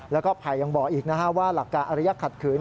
แล้วก็ภัยยังบอกอีกว่าหลักการอริยักษ์ขัดขืน